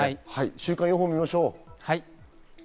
週間予報を見ましょう。